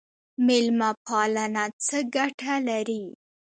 میلمه پالنه څه ګټه لري؟